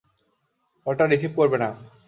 কলটা রিসিভ করবে না।